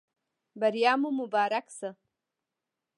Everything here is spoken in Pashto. بریا مو مبارک شه